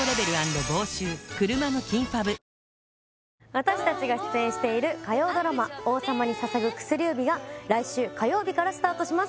私達が出演している火曜ドラマ「王様に捧ぐ薬指」が来週火曜日からスタートします